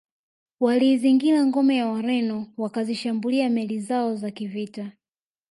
Waliizingira ngome ya Wareno wakazishambulia meli zao za kivita